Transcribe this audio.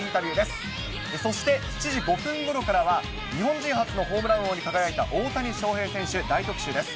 そして７時５分ごろからは日本人初のホームラン王に輝いた大谷翔平選手大特集です。